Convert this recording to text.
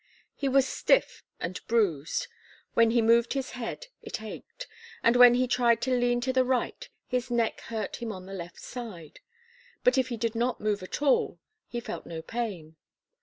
He was stiff and bruised. When he moved his head, it ached, and when he tried to lean to the right, his neck hurt him on the left side. But if he did not move at all, he felt no pain.